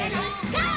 「ゴー！